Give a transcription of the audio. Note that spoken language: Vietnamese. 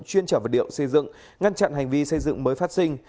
chuyên trở vật điệu xây dựng ngăn chặn hành vi xây dựng mới phát sinh